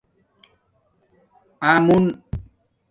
اݸ مُون